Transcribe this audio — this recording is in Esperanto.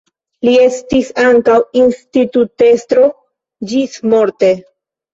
Li estis ankaŭ institutestro ĝismorte.